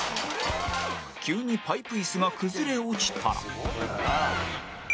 急にパイプイスが崩れ落ちたら